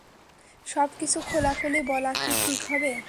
সবকিছু খোলাখুলি বলা কি ঠিক হবে?